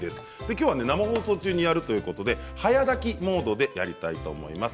今日は生放送中にやるということで早炊きモードでやりたいと思います。